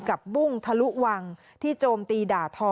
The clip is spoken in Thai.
กับบุ่งทะลุหวังที่โจมตีดาถอ